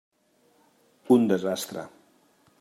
Un desastre.